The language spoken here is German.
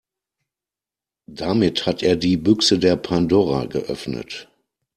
Damit hat er die Büchse der Pandora geöffnet.